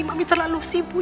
mami terlalu sibuk